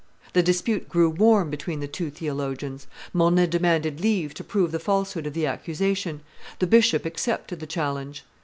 The dispute grew warm between the two theologians; Mornay demanded leave to prove the falsehood of the accusation; the bishop accepted the challenge.